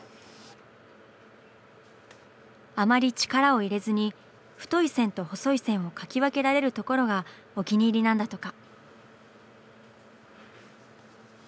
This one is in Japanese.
あまり力を入れずに太い線と細い線を描き分けられるところがお気に入りなんだとか。